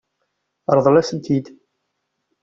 Ṛḍel-asent-ten-id.